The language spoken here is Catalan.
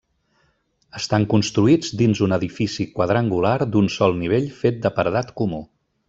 Estan construïts dins un edifici quadrangular d'un sol nivell fet de paredat comú.